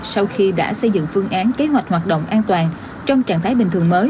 sau khi đã xây dựng phương án kế hoạch hoạt động an toàn trong trạng thái bình thường mới